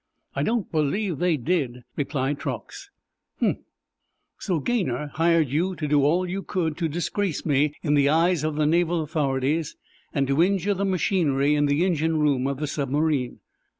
"I don't believe they did," replied Truax. "Humph! So Gaynor hired you to do all you could to disgrace me in the eyes of the naval authorities and to injure the machinery in the engine room of the submarine!"